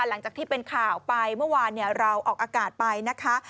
หลังจากที่เป็นข่าวไปเมื่อวานเราออกอากาศไปนะคะ